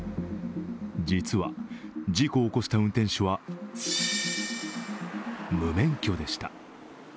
実は、事故を起こした運転手は無免許でした。